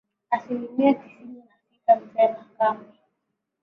asilimia tisini na sita mzee makamba